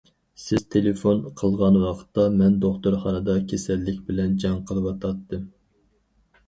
سىز تېلېفون قىلغان ۋاقىتتا مەن دوختۇرخانىدا كېسەللىك بىلەن جەڭ قىلىۋاتاتتىم.